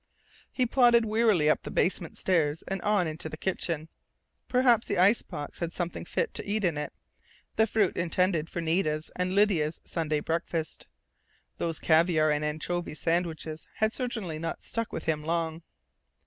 He plodded wearily up the basement stairs and on into the kitchen. Perhaps the ice box had something fit to eat in it the fruit intended for Nita's and Lydia's Sunday breakfast. Those caviar and anchovy sandwiches had certainly not stuck with him long....